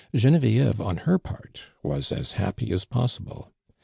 Genevieve on her part was as happy as possible.